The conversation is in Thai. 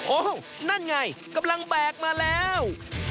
นั่นไงกำลังแบกมาแล้ว